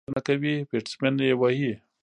بالر توپ ویشتنه کوي، بیټسمېن يې وهي.